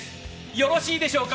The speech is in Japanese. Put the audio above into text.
よろしいでしょうか？